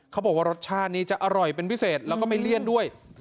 เขาบอกว่ารสชาตินี้จะอร่อยเป็นพิเศษแล้วก็ไม่เลี่ยนด้วย